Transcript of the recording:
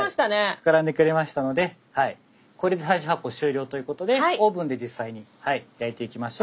ふくらんでくれましたのではいこれで最終発酵終了ということでオーブンで実際に焼いていきましょう。